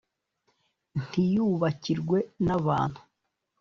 ntiyubakirwe nk’abantu,